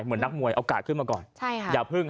เหมือนนักมวยเอากาดขึ้นมาก่อนอย่าพึ่ง